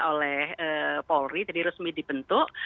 oleh polri jadi resmi dibentuk